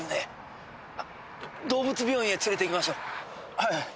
はい。